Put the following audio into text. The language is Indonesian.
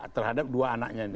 terhadap dua anaknya ini